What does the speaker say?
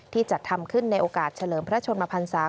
จัดทำขึ้นในโอกาสเฉลิมพระชนมพันศา